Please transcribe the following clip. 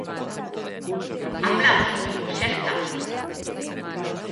Aplausos, xa está.